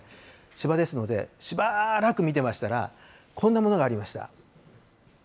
芝ですので、しばらく見てましたら、こんなものがありました。